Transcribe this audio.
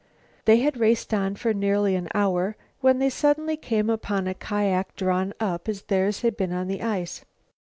They had raced on for nearly an hour when they suddenly came upon a kiak drawn up as theirs had been on the ice.